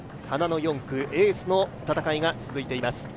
花の４区、エースの戦いが続いています。